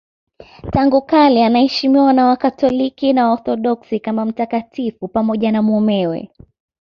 Tangu kale anaheshimiwa na Wakatoliki na Waorthodoksi kama mtakatifu pamoja na mumewe.